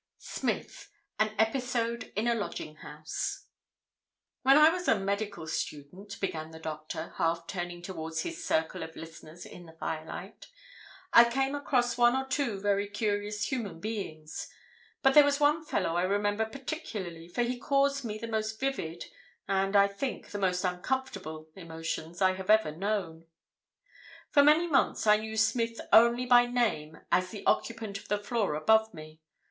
SMITH: AN EPISODE IN A LODGING HOUSE "When I was a medical student," began the doctor, half turning towards his circle of listeners in the firelight, "I came across one or two very curious human beings; but there was one fellow I remember particularly, for he caused me the most vivid, and I think the most uncomfortable, emotions I have ever known. "For many months I knew Smith only by name as the occupant of the floor above me.